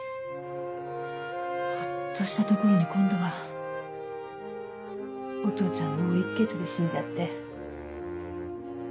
ホッとしたところに今度はお父ちゃん脳溢血で死んじゃって。